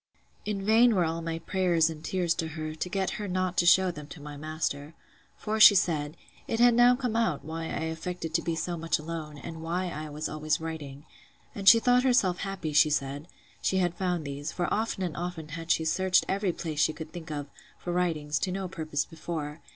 In vain were all my prayers and tears to her, to get her not to shew them to my master. For she said, It had now come out, why I affected to be so much alone; and why I was always writing. And she thought herself happy, she said, she had found these; for often and often had she searched every place she could think of, for writings, to no purpose before.